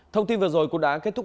thông tin vừa rồi cũng đã kết thúc